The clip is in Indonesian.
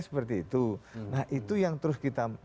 seperti itu nah itu yang terus kita